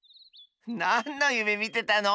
なんのゆめみてたの？